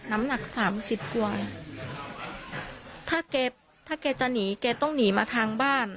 น้ำหนัก๓๐กว่าถ้าแกจะหนีแกต้องหนีมาทางบ้าน